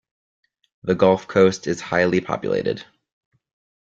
The gulf coast is highly populated.